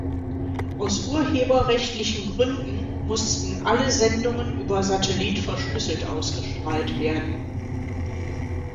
Aus urheberrechtlichen Gründen mussten alle Sendungen über Satellit verschlüsselt ausgestrahlt werden.